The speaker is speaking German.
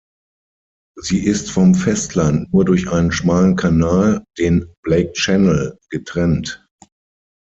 Sie ist vom Festland nur durch einen schmalen Kanal, den Blake Channel, getrennt.